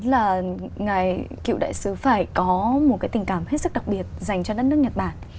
đó là ngài cựu đại sứ phải có một cái tình cảm hết sức đặc biệt dành cho đất nước nhật bản